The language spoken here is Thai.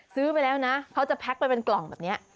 ไปแล้วนะเขาจะแพ็คไปเป็นกล่องแบบนี้